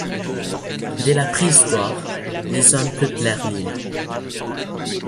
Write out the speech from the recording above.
Dès la Préhistoire les hommes peuplèrent l'île.